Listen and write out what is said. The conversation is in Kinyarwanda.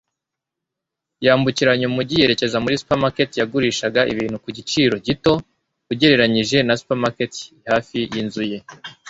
yambukiranya umujyi yerekeza muri supermarket yagurishaga ibintu ku giciro gito ugereranije na supermarket hafi yinzu ye.